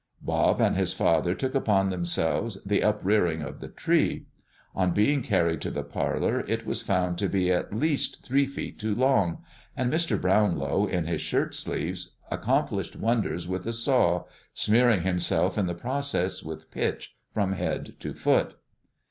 Bob and his father took upon themselves the uprearing of the tree. On being carried to the parlor it was found to be at least three feet too long, and Mr. Brownlow, in his shirt sleeves, accomplished wonders with a saw, smearing himself in the process with pitch, from head to foot.